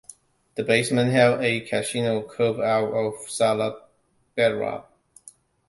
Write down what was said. The basement held a casino, carved out of solid bedrock.